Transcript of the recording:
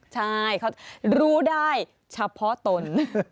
ใช่เขารู้ได้เฉพาะตน